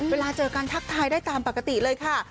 เวลาเจอกันทักทายได้ตามปกติเลยค่ะ